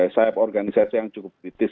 sayap organisasi yang cukup kritis